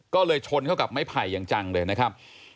ก็เลยชนเข้ากับไม้ไผ่อย่างจังเลยนะครับ